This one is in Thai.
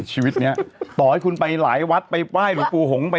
ตีที่พ่อเอาไปทิ้งไปต่างประเทศไง